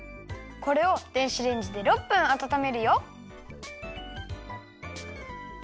これを電子レンジで６分あたためるよ。